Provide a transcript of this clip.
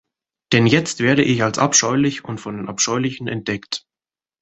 Denn jetzt werde ich als abscheulich und von den Abscheulichen entdeckt.